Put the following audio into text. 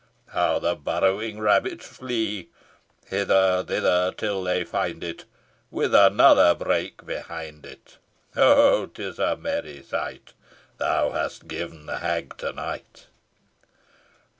How the burrowing rabbits flee, Hither, thither till they find it, With another brake behind it. Ho! ho! 'tis a merry sight Thou hast given the hag to night.